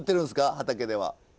畑では。